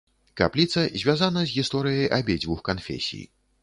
Капліца звязана з гісторыяй абедзвюх канфесій.